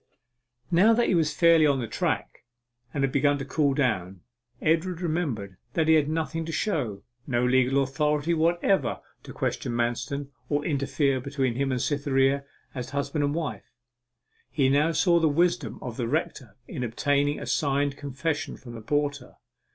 Now that he was fairly on the track, and had begun to cool down, Edward remembered that he had nothing to show no legal authority whatever to question Manston or interfere between him and Cytherea as husband and wife. He now saw the wisdom of the rector in obtaining a signed confession from the porter.